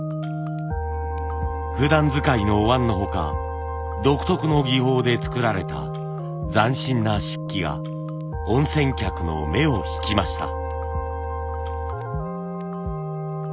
ふだん使いのおわんの他独特の技法で作られた斬新な漆器が温泉客の目を引きました。